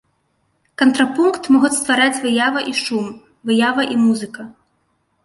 Кантрапункт могуць ствараць выява і шум, выява і музыка.